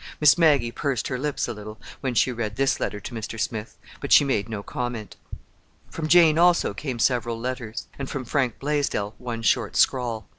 Miss Maggie pursed her lips a little, when she read this letter to Mr. Smith, but she made no comment. From Jane, also, came several letters, and from Frank Blaisdell one short scrawl.